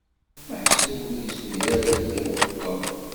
Meḥsub ur yezmir ara ad yerwel Tom.